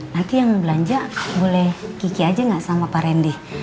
nanti yang belanja boleh kiki aja gak sama pak rendy